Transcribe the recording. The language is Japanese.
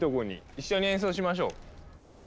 一緒に演奏しましょう。